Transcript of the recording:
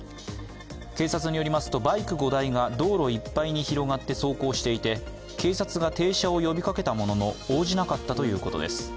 警察によりますと、バイク５台が道路いっぱいに広がって走行していて警察が停車を呼びかけたものの、応じなかったということです。